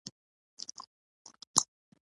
چې غل نه یې قهرجن په څه یې